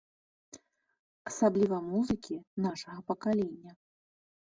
Асабліва музыкі нашага пакалення.